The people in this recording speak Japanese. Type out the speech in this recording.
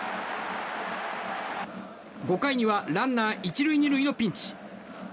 ５回にはランナー１塁２塁のピンチ。